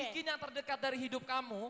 bikin yang terdekat dari hidup kamu